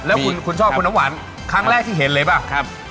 แล้วคุณชอบคุณน้ำหวานครั้งแรกที่เห็นเลยป่ะครับ